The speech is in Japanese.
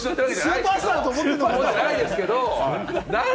スーパースターだと思ってるの？